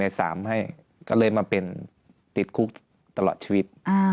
สามให้ก็เลยมาเป็นติดคุกตลอดชีวิต